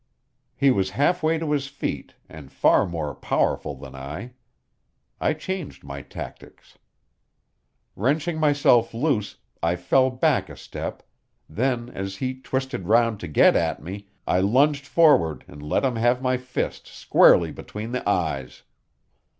He was half way to his feet, and far more powerful than I; I changed my tactics. Wrenching myself loose, I fell back a step; then, as he twisted round to get at me, I lunged forward and let him have my fist squarely between the eyes.